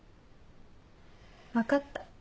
分かった。